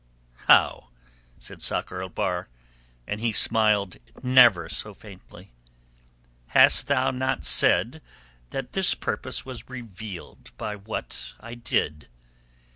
"How?" said Sakr el Bahr, and he smiled never so faintly. "Hast thou not said that this purpose was revealed by what I did?